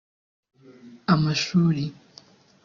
amashuri